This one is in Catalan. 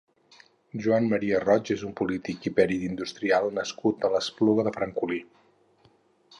Joan Maria Roig és un polític i pèrit industrial nascut a l'Espluga de Francolí.